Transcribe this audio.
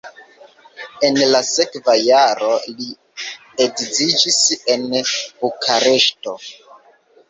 En la sekva jaro li edziĝis en Bukareŝto.